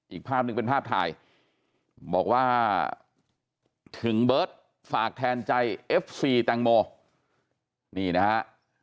อีกภาพหนึ่งเป็นภาพถ่ายบอกว่าถึงเบิร์ตฝากแทนใจเอฟซีแตงโมนี่นะฮะ